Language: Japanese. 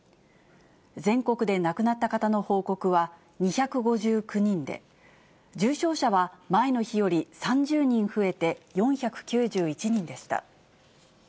全国で亡くなった方の報告は、２５９人で、重症者は前の日より３０人増えて４９１人でした。